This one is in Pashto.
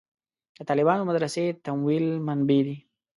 د طالبانو مدرسې تمویل منبعې دي.